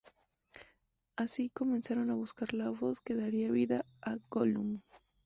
Así, comenzaron a buscar la voz que daría vida a Gollum.